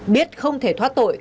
biết không thể thoát tội